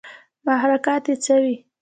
محرکات ئې څۀ وي